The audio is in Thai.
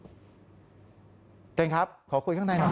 ไปตีอู่แล้วนะจนถึงประมาณเกือบตีต่างกว่า